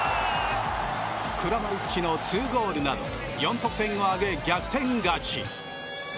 クラマリッチの２ゴールなど４得点を挙げ、逆転勝ち。